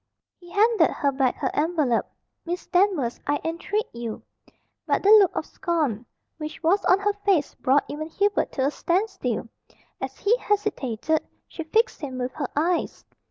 He handed her back her envelope. "Miss Danvers, I entreat you " But the look of scorn which was on her face brought even Hubert to a standstill. As he hesitated, she "fixed him with her eyes."